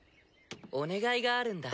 お願いがあるんだ。